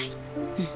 うん。